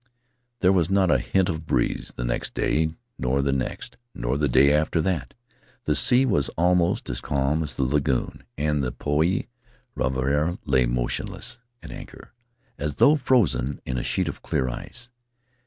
There was not a hint of a breeze the next day, nor the next, nor the day after that. The sea was almost as calm as the lagoon, and the Potii Ravarava lay motion less at anchor as though frozen in a sheet of clear ice.